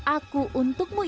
aku untukmu ibu